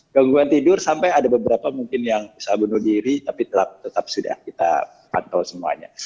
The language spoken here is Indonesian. gangguan tidur sampai ada beberapa mungkin yang bisa bunuh diri tapi tetap sudah kita pantau semuanya